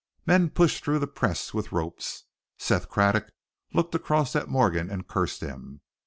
Men pushed through the press with ropes. Seth Craddock looked across at Morgan, and cursed him.